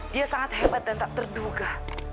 dia sangat hebat dan tak terduga